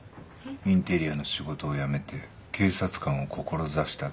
インテリアの仕事を辞めて警察官を志した動機は？